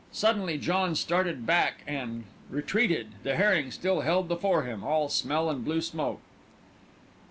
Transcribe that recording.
Suddenly John started back and retreated, the herring still held before him, all smell and blue smoke.